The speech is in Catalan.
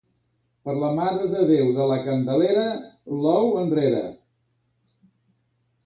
Per la Mare de Déu de la Candelera, l'ou enrere.